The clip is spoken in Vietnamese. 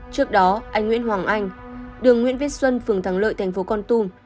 trước đó anh nguyễn hoàng anh đường nguyễn vết xuân phường thắng lợi tp con tum